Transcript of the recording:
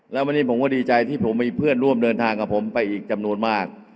แล้ววันนี้ผมก็ดีใจที่ผมมีเพื่อนร่วมเดินทางกับผมไปอีกจำนวนมาก